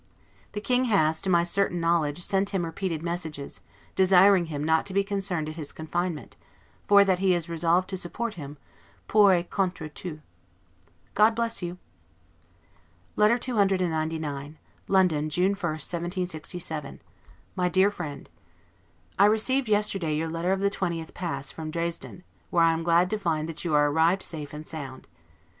The King has, to my certain knowledge, sent him repeated messages, desiring him not to be concerned at his confinement, for that he is resolved to support him, 'pour et contre tous'. God bless you! LETTER CCXCIX LONDON, June 1, 1767. MY DEAR FRIEND: I received yesterday your letter of the 20th past, from Dresden, where I am glad to find that you are arrived safe and sound.